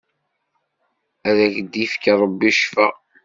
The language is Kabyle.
Ad ak-d-ifk Rebbi Ccfa!